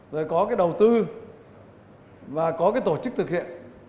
rồi có đầu tư và có tổ chức thực hiện